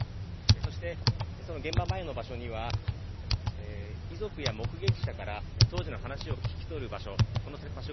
そしてその現場前の場所には遺族や目撃者から当時の話を聞き取る場所